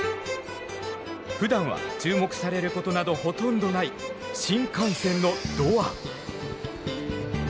ふだんは注目されることなどほとんどない新幹線のドア。